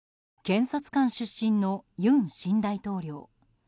検察官出身の尹新大統領。